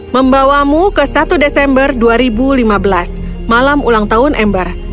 membawamu ke satu desember dua ribu lima belas malam ulang tahun ember